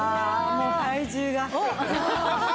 もう体重が。